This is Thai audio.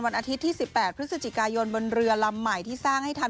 อาทิตย์ที่๑๘พฤศจิกายนบนเรือลำใหม่ที่สร้างให้ทัน